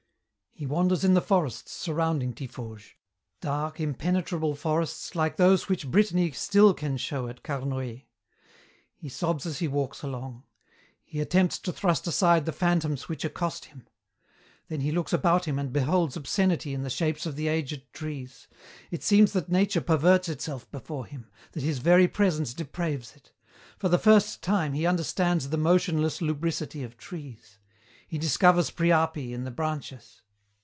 "He wanders in the forests surrounding Tiffauges, dark, impenetrable forests like those which Brittany still can show at Carnoet. He sobs as he walks along. He attempts to thrust aside the phantoms which accost him. Then he looks about him and beholds obscenity in the shapes of the aged trees. It seems that nature perverts itself before him, that his very presence depraves it. For the first time he understands the motionless lubricity of trees. He discovers priapi in the branches.